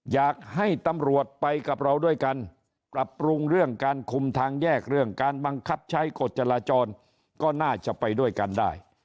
อยากให้ตำรวจไปกับเราด้วยกันปรับปรุงเรื่องการคุมทางแยกเรื่องการบังคับใช้กฎจราจรก็น่าจะไปด้วยกันได้